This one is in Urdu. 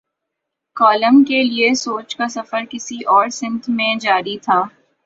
کالم کے لیے سوچ کا سفر کسی اور سمت میں جاری تھا۔